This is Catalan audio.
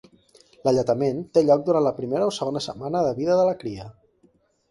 L'alletament té lloc durant la primera o segona setmana de vida de la cria.